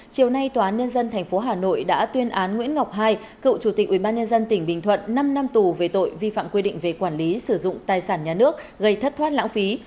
chiều nay tòa án nhân dân tp hà nội đã tuyên án nguyễn ngọc hai cựu chủ tịch ubnd tỉnh bình thuận năm năm tù về tội vi phạm quy định về quản lý sử dụng tài sản nhà nước gây thất thoát lãng phí